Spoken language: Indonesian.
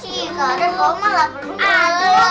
cikarung malah berhubungan